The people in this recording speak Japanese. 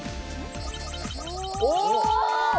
お！